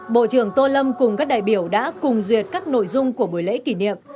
bộ trưởng tô lâm cùng các đại biểu đã cùng duyệt các nội dung của buổi lễ kỷ niệm